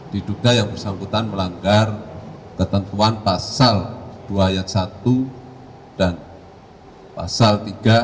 diduga yang bersangkutan melanggar ketentuan pasal dua ayat satu dan pasal tiga